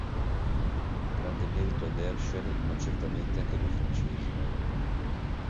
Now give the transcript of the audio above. Grande merito ad Herschel ma certamente anche ai due francesi.